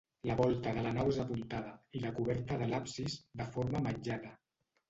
La volta de la nau és apuntada, i la coberta de l'absis, de forma ametllada.